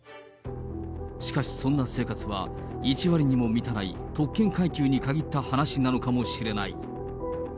しかし、そんな生活は１割にも満たない特権階級に限った話なのかもしれない。